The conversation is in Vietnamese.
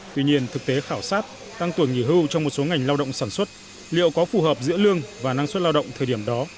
tuy nhiên thực tế khảo sát tăng tuổi nghỉ hưu trong một số ngành lao động sản xuất liệu có phù hợp giữa lương và năng suất lao động thời điểm đó